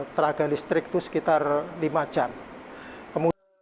tenaga listrik itu sekitar lima jam